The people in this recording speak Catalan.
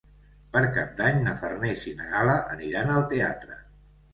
Per Cap d'Any na Farners i na Gal·la aniran al teatre.